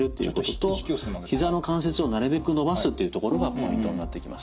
ひざの関節をなるべく伸ばすというところがポイントになってきます。